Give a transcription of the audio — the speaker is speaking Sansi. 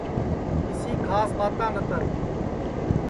کسی کھاس ٻاتا نتر